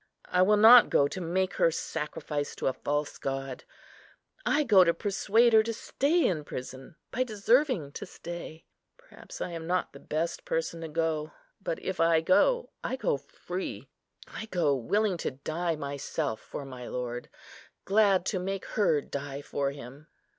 I will not go to make her sacrifice to a false god; I go to persuade her to stay in prison, by deserving to stay. Perhaps I am not the best person to go; but if I go, I go free. I go willing to die myself for my Lord; glad to make her die for Him."